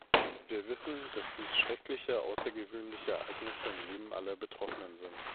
Wir wissen, dass dies schreckliche, außergewöhnliche Ereignisse im Leben aller Betroffenen sind.